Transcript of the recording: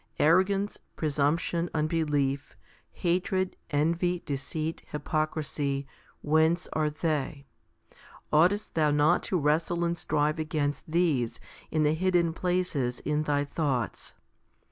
Arrogance, presumption, unbelief, hatred, envy, deceit, hypocrisy, whence are they ? Oughtest thou not to wrestle and strive against these in the hidden places in thy thoughts